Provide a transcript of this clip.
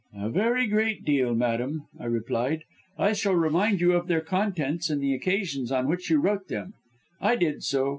"'A very great deal, madam,' I replied, 'shall I remind you of their contents and the occasions on which you wrote them?' I did so.